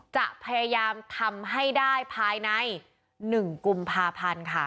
จะพยายามทำให้ได้ภายใน๑กุมภาพันธ์ค่ะ